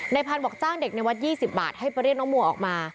พันธุ์บอกจ้างเด็กในวัด๒๐บาทให้ไปเรียกน้องมัวออกมา